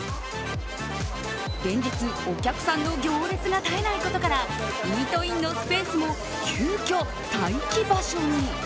連日、お客さんの行列が絶えないことからイートインのスペースも急きょ待機場所に。